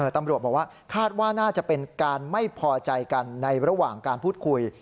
ตำรวจบอกว่าคาดว่าน่าจะเป็นการไม่พอใจกันในระหว่างการพูดคุย